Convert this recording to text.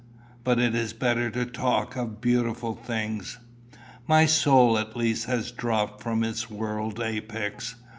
But it is better to talk of beautiful things. My soul at least has dropped from its world apex.